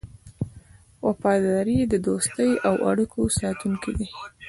وفاداري د دوستۍ او اړیکو ساتونکی دی.